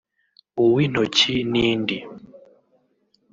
uw’intoki n’indi